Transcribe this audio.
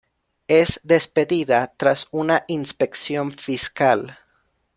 Es despedida tras una inspección fiscal.